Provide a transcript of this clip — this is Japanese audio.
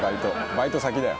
バイト先だよ」